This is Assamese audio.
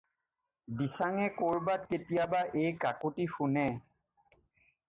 দিচাঙে ক'ৰবাত কেতিয়াবা এই কাকূতি শুনে।